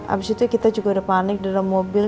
abis itu kita juga panik dalam mobil